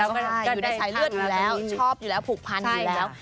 อยู่ในสายเลือดอยู่แล้วชอบอยู่แล้วผูกพันอยู่แล้ว